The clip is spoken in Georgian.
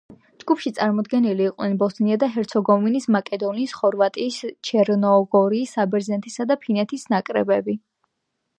ჯგუფში წარმოდგენილნი იყვნენ ბოსნია და ჰერცეგოვინის, მაკედონიის, ხორვატიის, ჩერნოგორიის, საბერძნეთისა და ფინეთის ნაკრებები.